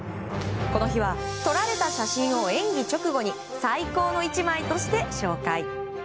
この日は、撮られた写真を演技直後に最高の一枚として紹介。